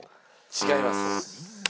違います。